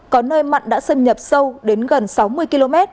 có nơi mặn đã xâm nhập sâu đến gần sáu mươi km